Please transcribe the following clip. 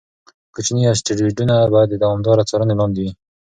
کوچني اسټروېډونه باید د دوامداره څارنې لاندې وي.